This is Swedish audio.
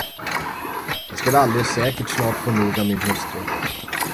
Jag skulle alldeles säkert snart få nog av min hustru.